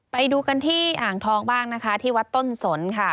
ไปดูกันที่อ่างทองบ้างนะคะที่วัดต้นสนค่ะ